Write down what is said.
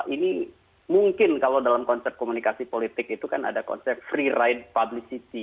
ini mungkin kalau dalam konsep komunikasi politik itu kan ada konsep free ride publicity